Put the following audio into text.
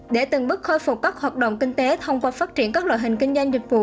để từng bước khôi phục các hoạt động kinh tế thông qua phát triển các loại hình kinh doanh dịch vụ